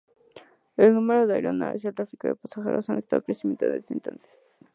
El número de aeronaves y el tráfico de pasajeros ha estado creciendo desde entonces.